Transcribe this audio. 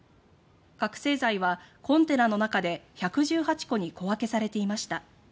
覚醒剤はコンテナの中で１１８個に小分けされていました。